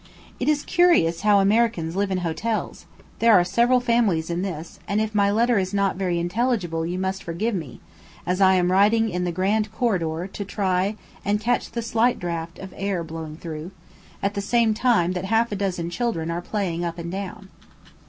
It is curious how Americans live in hotels; there are several families in this, and if my letter is not very intelligible you must forgive me, as I am writing in the grand corridor to try and catch the slight draughts of air blowing through, at the same time that half a dozen children are playing up and down.